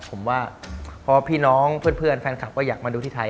ผมว่าพอพี่น้องเพื่อนแฟนคลับก็อยากมาดูที่ไทย